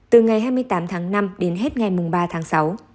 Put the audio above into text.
từ ngày hai mươi tám tháng năm đến hết ngày ba tháng sáu